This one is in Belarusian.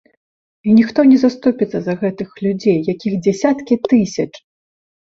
І ніхто не заступіцца за гэтых людзей, якіх дзясяткі тысяч!